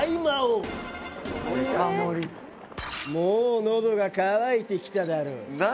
もうのどが渇いてきただろう？